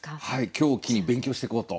今日を機に勉強していこうと。